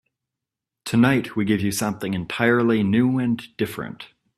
Tonight we give you something entirely new and different.